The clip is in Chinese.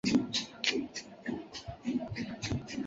脸色都沉了下来